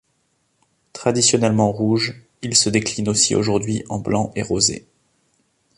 Traditionnellement rouge il se décline aussi aujourd'hui en blanc et rosé.